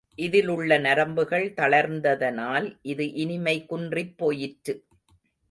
இதிலுள்ள நரம்புகள் தளர்ந்ததனால் இது இனிமை குன்றிப் போயிற்று.